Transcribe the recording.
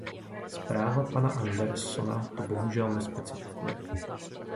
Zpráva pana Anderssona to bohužel nespecifikuje.